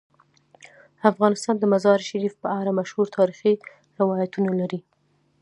افغانستان د مزارشریف په اړه مشهور تاریخی روایتونه لري.